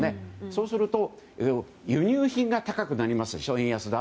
そうすると、輸入品が高くなりますでしょ。